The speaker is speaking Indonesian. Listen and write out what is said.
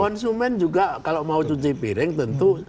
konsumen juga kalau mau cuci piring tentu